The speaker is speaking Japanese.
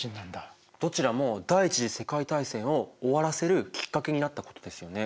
どちらも第一次世界大戦を終わらせるきっかけになったことですよね。